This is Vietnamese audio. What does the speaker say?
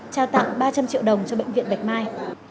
trao tặng ba trăm linh triệu đồng cho bệnh viện bạch mai